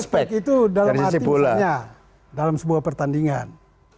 respect itu dalam arti istrinya dalam sebuah pertandingan